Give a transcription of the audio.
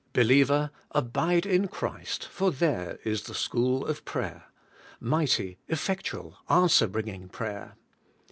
Believer, abide in Christ, for there is the school of prayer, — mighty, effectual, answer bringing prayer.